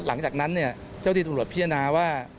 หลังจากนั้นเนี่ยเจ้าที่ตำรวจพิจารณาว่า